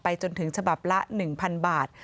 จนถึงฉบับละ๑๐๐๐บาท